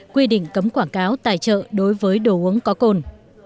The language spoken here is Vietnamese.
quy định cấm quảng cáo tài trợ đối với đồ uống có cồn